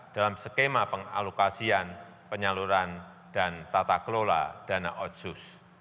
dalam skema pengalokasian penyaluran dan tata kelola dana otsus